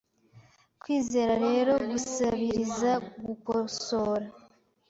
Kwizera rero gusabiriza gukosora